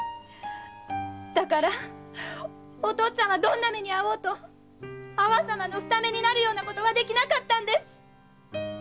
だからお父っつぁんもどんな目に遭おうと阿波様の不為になるようなことはできなかったんです。